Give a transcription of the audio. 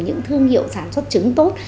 những thương hiệu sản xuất trứng tốt